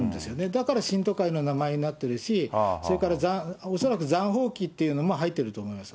だから、信徒会の名前になってるし、それから、恐らく残放棄っていうのも入ってると思います。